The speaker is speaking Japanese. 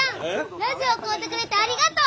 ラジオ買うてくれてありがとう！